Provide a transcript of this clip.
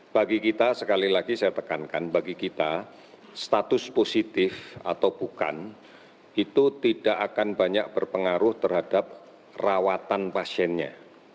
bagi kita sekali lagi saya tekankan bagi kita status positif atau bukan itu tidak akan banyak berpengaruh terhadap rawatan pasiennya